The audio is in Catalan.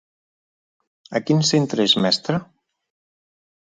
A quin centre és mestra?